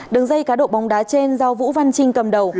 đường dây cá độ bóng đá trên do vũ văn trinh cầm đầu